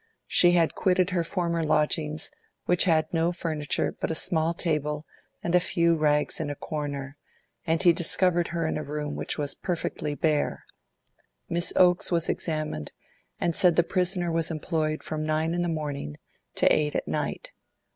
She had quitted her former lodgings, which had no furniture but a small table and a few rags in a corner, and he discovered her in a room which was perfectly bare. Miss Oaks was examined, and said the prisoner was employed from nine in the morning to eight at night.